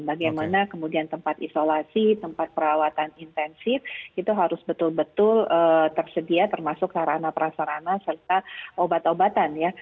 bagaimana kemudian tempat isolasi tempat perawatan intensif itu harus betul betul tersedia termasuk sarana prasarana serta obat obatan ya